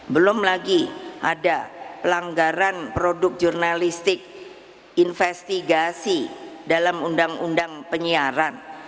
belum lagi ada pelanggaran produk jurnalistik investigasi dalam undang undang penyiaran